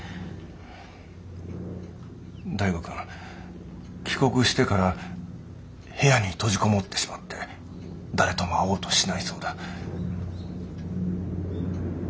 醍醐君帰国してから部屋に閉じ籠もってしまって誰とも会おうとしないそうだ。